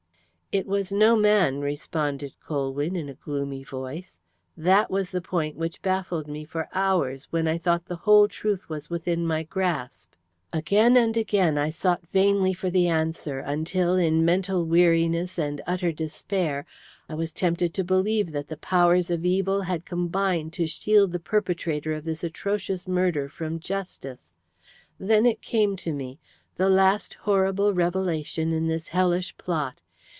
"It was no man," responded Colwyn, in a gloomy voice. "That was the point which baffled me for hours when I thought the whole truth was within my grasp. Again and again I sought vainly for the answer, until, in mental weariness and utter despair, I was tempted to believe that the powers of evil had combined to shield the perpetrator of this atrocious murder from justice. Then it came to me the last horrible revelation in this hellish plot.